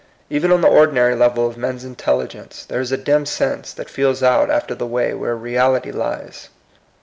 Even on the ordinary level of men's intelligence, there is a dim sense that feels out after the way where reality lies.